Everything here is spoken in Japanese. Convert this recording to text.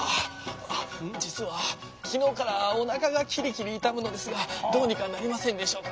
実は昨日からおなかがキリキリ痛むのですがどうにかなりませんでしょうか？